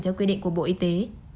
theo quy định của bộ y tế